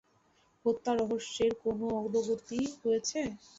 হত্যা রহস্যের কোন অগ্রগতি হয়েছে?